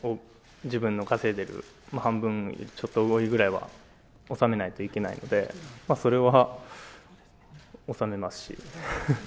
自分の稼いでいる半分ちょっと多いぐらいは納めないといけないので、それは納めますし。